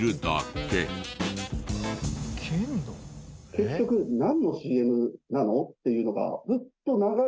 結局なんのＣＭなの？っていうのが。